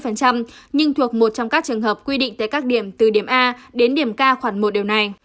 nhưng thuộc một trong các trường hợp quy định tại các điểm từ điểm a đến điểm k khoảng một điều này